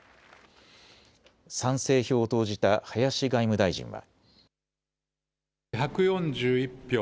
賛成票を投じた林外務大臣は。